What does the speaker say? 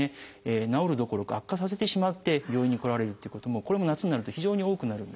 治るどころか悪化させてしまって病院に来られるっていうこともこれも夏になると非常に多くなるんですね。